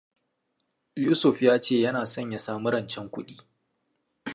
Yusuf ya ce yana son ya sami rancen kuɗi.